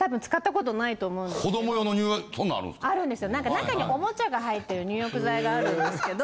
中におもちゃが入ってる入浴剤があるんですけど。